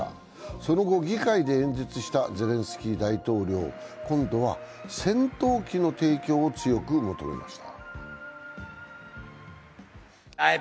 その後、議会で演説したゼレンスキー大統領は今度は戦闘機の提供を強く求めました。